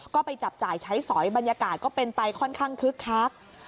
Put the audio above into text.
ก็ไปจับจ่ายใช้สอยบรรยากาศก็เป็นไปค่อนข้างคึกคัก